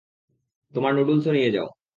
তোমার নুডুলসও নিয়ে যাও।